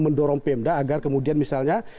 mendorong pemda agar kemudian misalnya